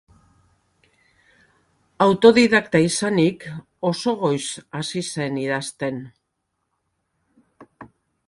Autodidakta izanik oso goiz hasi zen idazten.